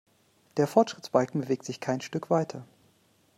Der Fortschrittsbalken bewegt sich kein Stück weiter.